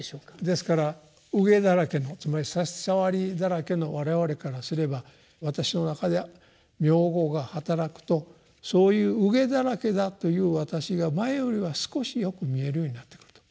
ですから有礙だらけのつまり差し障りだらけの我々からすれば私の中では名号が働くとそういう有礙だらけだという私が前よりは少しよく見えるようになってくると。